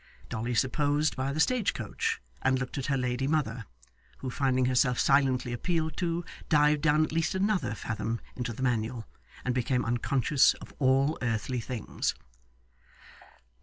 Dolly supposed by the stage coach, and looked at her lady mother, who finding herself silently appealed to, dived down at least another fathom into the Manual, and became unconscious of all earthly things.